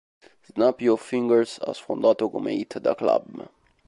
Snap Yo Fingers ha sfondato come hit da club.